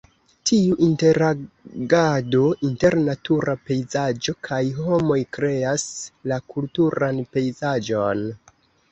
Tiu interagado inter natura pejzaĝo kaj homoj kreas la kulturan pejzaĝon.